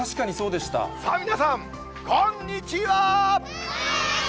さあ皆さん、こんにちは！